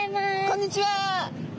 こんにちは。